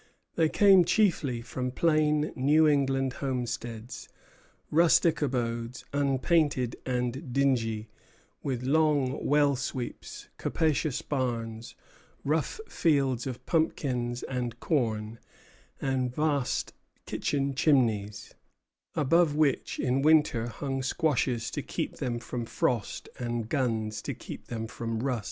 They came chiefly from plain New England homesteads, rustic abodes, unpainted and dingy, with long well sweeps, capacious barns, rough fields of pumpkins and corn, and vast kitchen chimneys, above which in winter hung squashes to keep them from frost, and guns to keep them from rust.